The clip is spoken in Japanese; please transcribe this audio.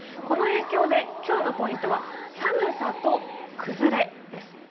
この影響で今日のポイントは寒さと崩れです。